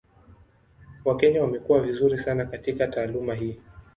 Wakenya wamekuwa vizuri sana katika taaluma hii.